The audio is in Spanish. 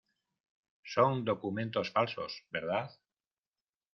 son documentos falsos, ¿ verdad?